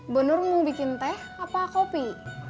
bu nur mau bikin teh apa kopi